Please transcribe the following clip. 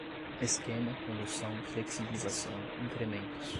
esquema, condução, flexibilização, incrementos